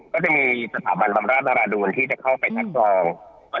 ก็จะมีสถาบันบรรพรารดูลที่จะเข้าไปชัดบอก